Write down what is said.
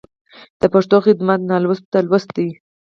د پښتو خدمت نالوستو ته لوست دی.